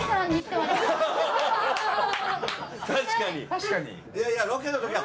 確かに。